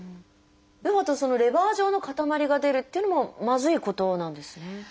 そのレバー状の塊が出るっていうのもまずいことなんですね。